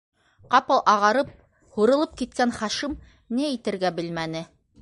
- Ҡапыл ағарып һурылып киткән Хашим ни әйтергә белмәне.